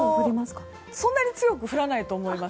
そんなに強く降らないと思います。